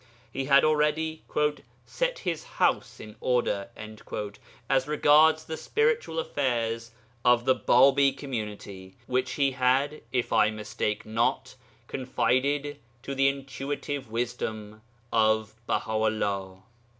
He had already 'set his house in order,' as regards the spiritual affairs of the Bābī community, which he had, if I mistake not, confided to the intuitive wisdom of Baha 'ullah.